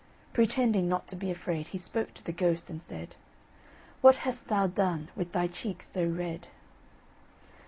Pretending not to be afraid, he spoke to the ghost, and said: "What hast thou done with thy cheeks so red?"